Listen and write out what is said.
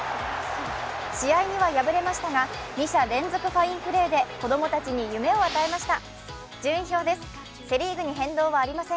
試合には敗れましたが２者連続ファインプレーで子供たちに夢を与えました。